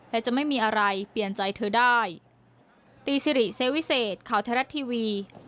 และจะไม่มีอะไรเปลี่ยนใจเธอได้